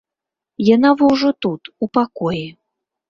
Яна во ўжо тут, у пакоі.